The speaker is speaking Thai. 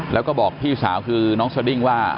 แล้วก็บอกพี่สาวคือน้องสดิ้งว่า